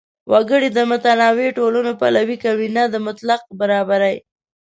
وګړي د متنوع ټولنو پلوي کوي، نه د مطلق برابرۍ.